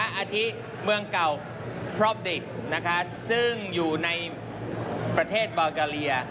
อาทิเมืองเก่าพรอบดิฟต์ซึ่งอยู่ในประเทศบาลกาเลีย